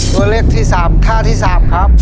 ตัวเลือกที่๓ท่าที่๓ครับ